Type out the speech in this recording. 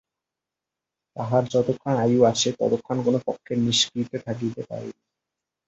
তাহার যতক্ষণ আয়ু আছে ততক্ষণ কোনো পক্ষের নিষ্কৃতি থাকিতে পারে না।